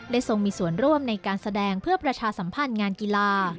ทรงมีส่วนร่วมในการแสดงเพื่อประชาสัมพันธ์งานกีฬา